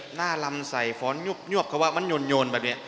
หน้ารำใส่ฟ้อนหงบหงบคือว่ามันโยนแบบนี้